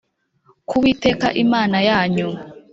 Ku uwiteka imana yanyu